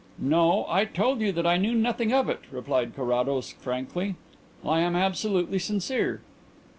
"No; I told you that I knew nothing of it," replied Carrados frankly. "I am absolutely sincere."